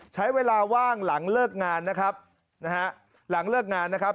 ใช้เวลาว่างหลังเลิกงานนะครับนะฮะหลังเลิกงานนะครับ